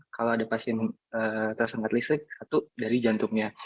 kalau ada pasien tersengat listrik satu dari jantungnya